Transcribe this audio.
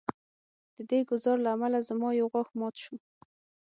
د دې ګزار له امله زما یو غاښ مات شو